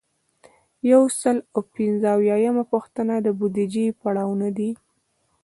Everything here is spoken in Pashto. یو سل او پنځه اویایمه پوښتنه د بودیجې پړاوونه دي.